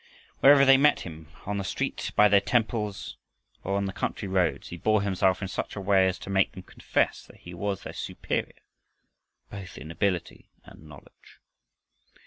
Wherever they met him on the street, by their temples, or on the country roads he bore himself in such a way as to make them confess that he was their superior both in ability and knowledge.